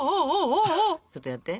ちょっとやって。